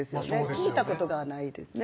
聞いたことがないですね